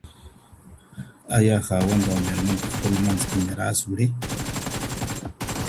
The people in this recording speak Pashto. آيا خاوند او ميرمن پخپل منځ کي ميراث وړي؟